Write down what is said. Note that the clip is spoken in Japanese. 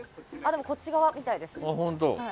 でも、こっち側みたいです。